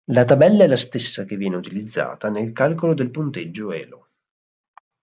La tabella è la stessa che viene utilizzata nel calcolo del punteggio Elo.